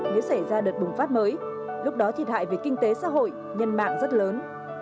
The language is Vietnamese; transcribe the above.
nếu xảy ra đợt bùng phát mới lúc đó thiệt hại về kinh tế xã hội nhân mạng rất lớn